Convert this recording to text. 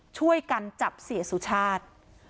ช่วยกันจับเสียสุชาติ